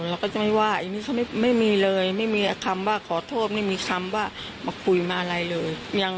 เราก็จะไม่ว่าอันนี้เขาไม่มีเลยไม่มีคำว่าขอโทษไม่มีคำว่ามาคุยมาอะไรเลย